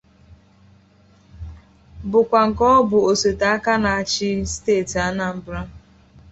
bụkwa nke ọ bụ osote aka na-achị steeti Anambra